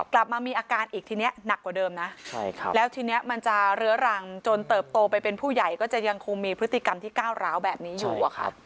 กลับมามีอาการอีกทีนี้หนักกว่าเดิมนะแล้วทีนี้มันจะเรื้อรังจนเติบโตไปเป็นผู้ใหญ่ก็จะยังคงมีพฤติกรรมที่ก้าวร้าวแบบนี้อยู่